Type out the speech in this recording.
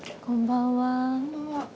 こんばんは。